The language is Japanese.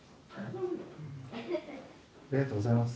ありがとうございます。